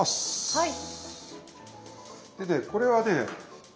はい。